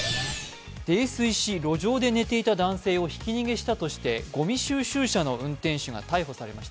泥酔し路上で寝ていた男性をひき逃げしたとして、ごみ収集車の運転手の男が逮捕されました。